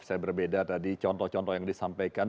saya berbeda tadi contoh contoh yang disampaikan